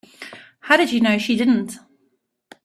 How do you know she didn't?